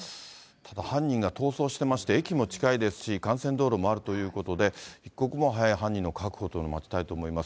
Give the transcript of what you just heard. ただ犯人が逃走してまして、駅も近いですし、幹線道路もあるということで、一刻も早い犯人の確保というのを待ちたいと思います。